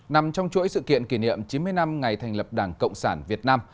nằm trong chuỗi sự kiện kỷ niệm chín mươi năm ngày thành lập đảng cộng sản việt nam